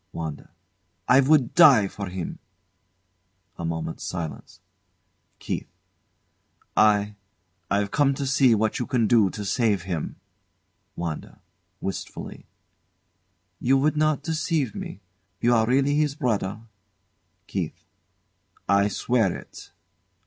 WANDA. I would die for him! [A moment's silence.] KEITH. I I've come to see what you can do to save him. WANDA, [Wistfully] You would not deceive me. You are really his brother? KEITH. I swear it.